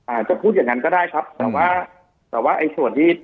อาจจะพูดอย่างนั้นก็ได้ครับแต่ว่าแต่ว่าไอ้ส่วนที่